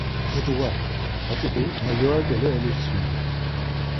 Mutu var, hatziti majura ǩele elustvinu.